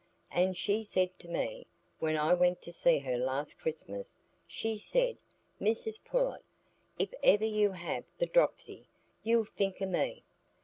And she said to me, when I went to see her last Christmas, she said, 'Mrs Pullet, if ever you have the dropsy, you'll think o' me.